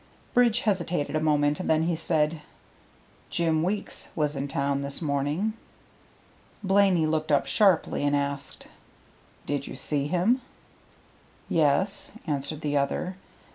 Bridge hesitated a moment; then he said, "Jim Weeks was in town this morning." Blaney looked up sharply, and asked, "Did you see him?" "Yes," answered the other.